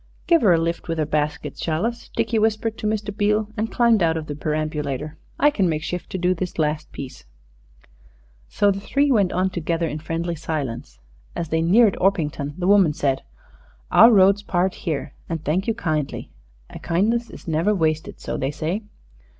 "Give her a lift with her basket, shall us?" Dickie whispered to Mr. Beale and climbed out of the perambulator. "I can make shift to do this last piece." So the three went on together, in friendly silence. As they neared Orpington the woman said, "Our road parts here; and thank you kindly. A kindness is never wasted, so they say."